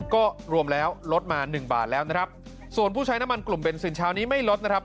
ก็รวมแล้วลดมาหนึ่งบาทแล้วนะครับส่วนผู้ใช้น้ำมันกลุ่มเบนซินเช้านี้ไม่ลดนะครับ